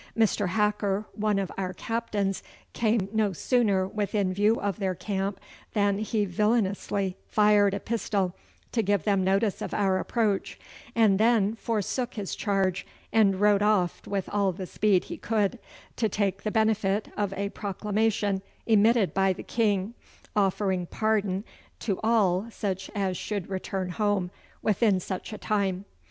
Mr. Hacker, one of our captains, came no sooner within view of their camp than he villainously fired a pistol to give them notice of our approach, and then forsook his charge and rode oft with all the speed he could, to take the benefit of a proclamation emitted by the King, offering pardon to all such as should return home within such a time.